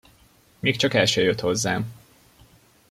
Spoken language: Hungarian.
Még csak el se jött hozzám.